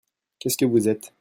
Qu'est-ce que vous êtes ?